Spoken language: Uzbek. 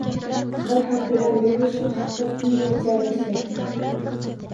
Bir haftadan beri shu haqda tinmay javrashyapti